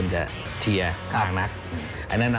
ก็คือคุณอันนบสิงต์โตทองนะครับ